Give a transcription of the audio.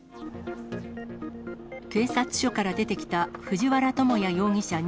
警察署から出てきた藤原友哉容疑者